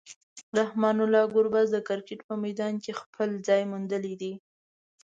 رحمان الله ګربز د کرکټ په میدان کې خپل ځای موندلی دی.